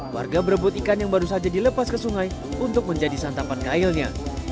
warga berebut ikan yang baru saja dilepas ke sungai untuk menjadi santapan kailnya